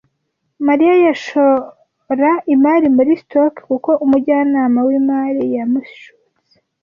Mariya yashora imari muri stock kuko umujyanama wimari yamushutse.